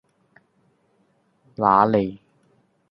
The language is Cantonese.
乸脷